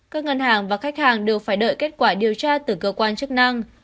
các ngân hàng và khách hàng đều phải đợi kết quả điều tra từ cơ quan chức năng